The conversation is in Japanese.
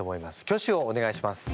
挙手をお願いします。